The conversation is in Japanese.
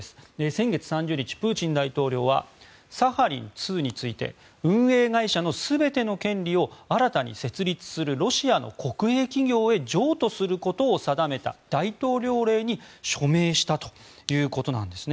先月３０日、プーチン大統領はサハリン２について運営会社の全ての権利を新たに設立するロシアの国営企業へ譲渡することを定めた大統領令に署名したということなんです。